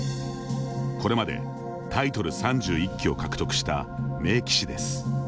これまでタイトル３１期を獲得した名棋士です。